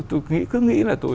tôi cứ nghĩ là tôi